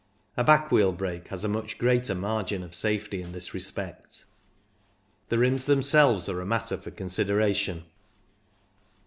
A back wheel brake has a much greater margin of safety in this respect. The rims themselves are a matter for consideration.